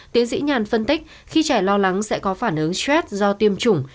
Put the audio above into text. tiến sĩ nhàn phân tích khi trẻ lo lắng sẽ có phản ứng stress do tiêm chủng